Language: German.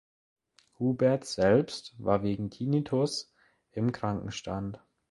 Hubert selbst war wegen Tinnitus im Krankenstand.